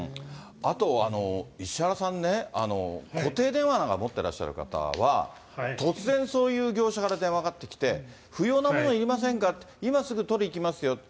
あと、石原さんね、固定電話なんか持ってらっしゃる方は、突然、そういう業者から電話がかかってきて、不要なものいりませんか、今すぐ取りいきますよと。